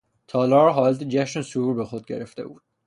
تالار حالت جشن و سرور به خود گرفته بود.